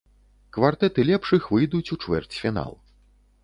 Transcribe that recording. Квартэты лепшых выйдуць у чвэрцьфінал.